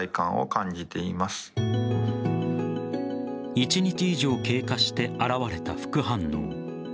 １日以上経過して現れた副反応。